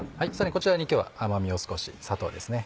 こちらに今日は甘みを少し砂糖ですね。